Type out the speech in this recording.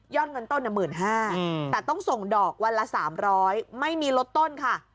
ย่อนเงินต้นอัน๑๕๐๐๐แต่ต้องส่งดอกวันละ๓๐๐ไม่มีรถต้นค่ะ